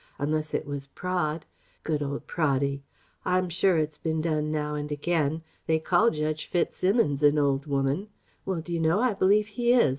unless it were Praed good old Praddy. I'm sure it's been done now and again. They call Judge FitzSimmons 'an old woman.' Well, d'you know, I believe he is